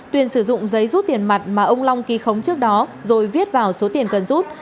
tuyền sử dụng giấy rút tiền mặt mà ông long ký khống trước đó rồi viết vào số tiền cần rút